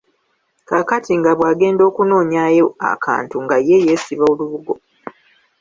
Kaakati nga bw’agenda okunoonyaayo akantu nga ye yeesiba olubugo.